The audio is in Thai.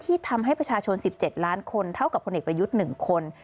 ทำให้ประชาชน๑๗ล้านคนเท่ากับพลเอกประยุทธ์๑คน